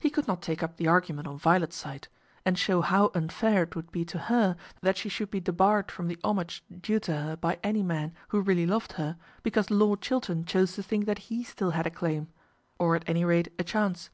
He could not take up the argument on Violet's side, and show how unfair it would be to her that she should be debarred from the homage due to her by any man who really loved her, because Lord Chiltern chose to think that he still had a claim, or at any rate a chance.